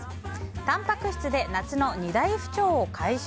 「タンパク質で夏の２大不調を解消！」